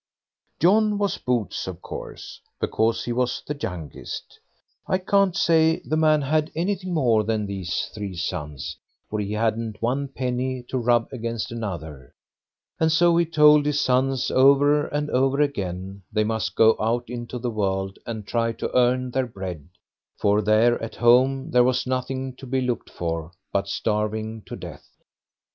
John was Boots, of course, because he was the youngest. I can't say the man had anything more than these three sons, for he hadn't one penny to rub against another; and so he told his sons over and over again they must go out into the world and try to earn their bread, for there at home there was nothing to be looked for but starving to death.